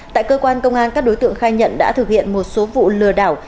tại cơ quan công an các đối tượng khai nhận đã thực hiện một số vụ lừa đảo